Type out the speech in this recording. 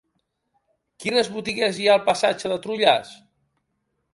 Quines botigues hi ha al passatge de Trullàs?